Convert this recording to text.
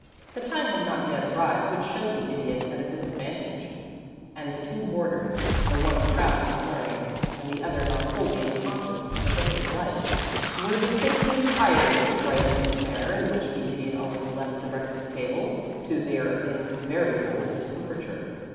The time had not yet arrived which showed the Idiot at a disadvantage; and the two boarders, the one proud of his learning, and the other not wholly unconscious of a bookish life, were distinctly tired of the triumphant manner in which the Idiot always left the breakfast table to their invariable discomfiture.